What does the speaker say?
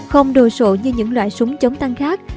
không đồ sộ như những loại súng chống tăng khác